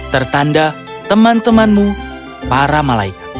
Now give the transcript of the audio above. tertanda teman temanmu para malaikat